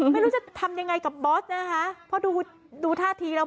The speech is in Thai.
ไม่รู้จะทำยังไงกับบอสนะคะเพราะดูดูท่าทีแล้ว